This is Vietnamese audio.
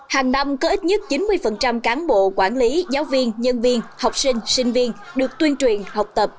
hàng năm có ít nhất chín mươi cán bộ quản lý giáo viên nhân viên học sinh sinh viên được tuyên truyền học tập